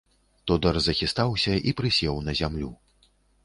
Тодар захістаўся і прысеў на зямлю.